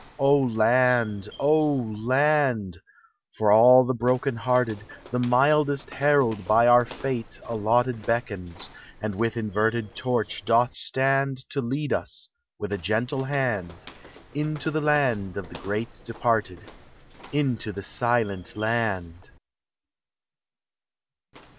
O Land ! O Land ! For all the broken hearted The mildest herald bv our fate allotted DEATH: IMMORTALITY: HEAVEN. 389 Beckons, and willi inverted torch doth stand To lead us with a gentle hand Into the land of the real departed, Into the Silent Land!